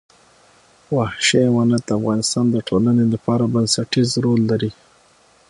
وحشي حیوانات د افغانستان د ټولنې لپاره بنسټيز رول لري.